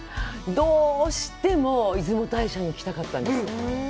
どしても出雲大社に行きたかったんです。